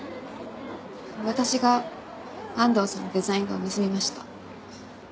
私が安藤さんのデザイン画を盗みました。